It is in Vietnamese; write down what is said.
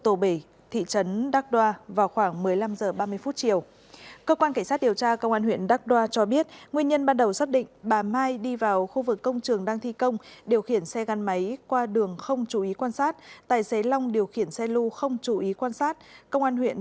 trong đêm cơ quan cảnh sát điều tra công an huyện thoại sơn ra quyết định khởi tố vụ án khởi tố bị can